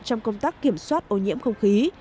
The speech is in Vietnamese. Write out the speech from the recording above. trong công tác kiểm soát ô nhiễm không khí